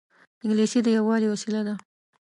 انګلیسي د یووالي وسیله ده